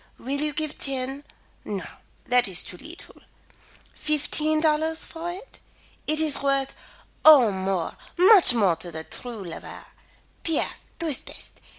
Will you give ten no, that is too leetle fifteen dollars for it? It is worth Oh, more, much more to the true lover. Pierre, tu es bete.